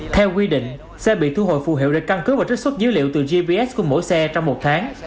theo quy định xe bị thu hồi phù hiệu để căn cứ và trích xuất dữ liệu từ gps của mỗi xe trong một tháng